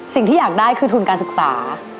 สิ่งที่อยากได้คือทุนการศึกษา